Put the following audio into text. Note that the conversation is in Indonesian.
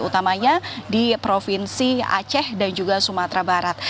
utamanya di provinsi aceh dan juga sumatera barat